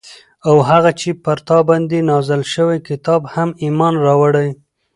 او هغو چې پر تا باندي نازل شوي كتاب هم ايمان راوړي